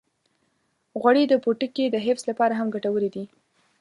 غوړې د پوټکي د حفظ لپاره هم ګټورې دي.